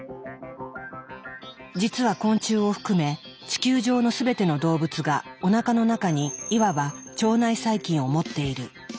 実は昆虫を含め地球上の全ての動物がおなかの中にいわば腸内細菌を持っている。